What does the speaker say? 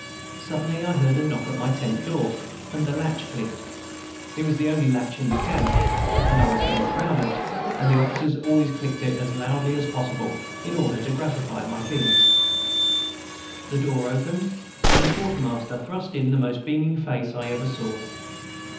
Suddenly I heard a knock at my tent door, and the latch clicked. It was the only latch in camp, and I was very proud of it, and the officers always clicked it as loudly as possible, in order to gratify my feelings. The door opened, and the Quartermaster thrust in the most beaming face I ever saw.